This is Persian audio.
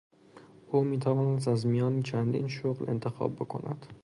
او میتوانست از میان چندین شغل انتخاب بکند.